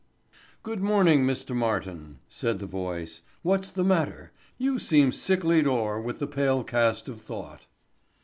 "Good morning, Mr. Martin," said the voice. "What's the matter? You seem sicklied o'er with the pale cast of thought."